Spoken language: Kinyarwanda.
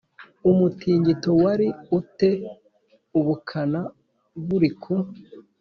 umutingito wari u te ubukana buri ku